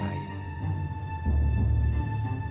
tapi kami mendengar kabar bahwa